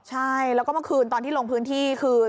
ใช่แล้วก็เมื่อคืนตอนที่ลงพื้นที่คือ